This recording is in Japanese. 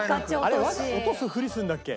あれ落とすフリするんだっけ？